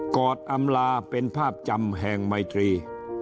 อดอำลาเป็นภาพจำแห่งไมตรี